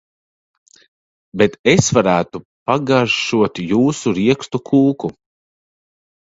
Bet es varētu pagaršotjūsu riekstu kūku.